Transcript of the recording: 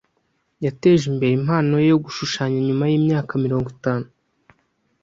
Yateje imbere impano ye yo gushushanya nyuma yimyaka mirongo itanu.